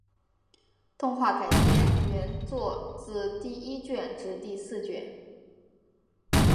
动画改编原作自第一卷至第四卷。